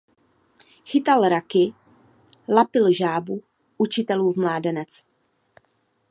Chytal raky, lapil žábu učitelův mládenec.